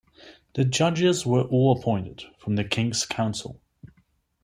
The judges were all appointed from the King's Council.